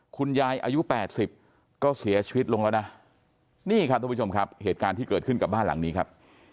คุณยายอายุ๘๐ก็เสียชีวิตลงแล้วนะนี่ครับทุกผู้ชมครับเหตุการณ์ที่เกิดขึ้นกับบ้านหลังนี้ครับ